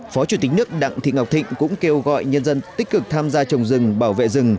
phó chủ tịch nước đặng thị ngọc thịnh cũng kêu gọi nhân dân tích cực tham gia trồng rừng bảo vệ rừng